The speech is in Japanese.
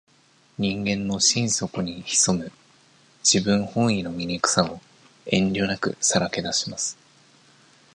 人間の心底に潜む、自分本位の醜さを、遠慮なくさらけ出します。